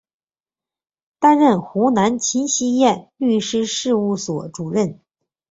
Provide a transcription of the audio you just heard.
担任湖南秦希燕律师事务所主任。